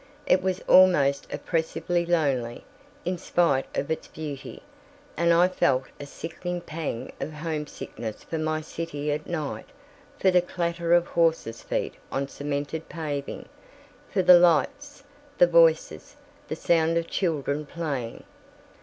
It was almost oppressively lonely, in spite of its beauty, and I felt a sickening pang of homesickness for my city at night—for the clatter of horses' feet on cemented paving, for the lights, the voices, the sound of children playing.